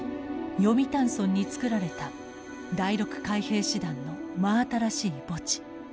読谷村に造られた第６海兵師団の真新しい墓地。